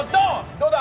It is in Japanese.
どうだ。